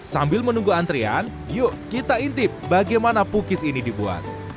sambil menunggu antrian yuk kita intip bagaimana pukis ini dibuat